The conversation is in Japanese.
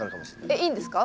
えっいいんですか？